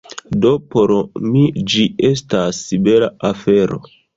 do por mi ĝi estas bela afero